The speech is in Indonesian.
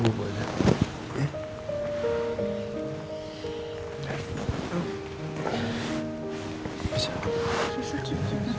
sampai jumpa lagi